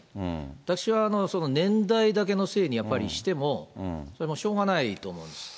私は年代だけのせいにやっぱりしてもしょうがないと思うんです。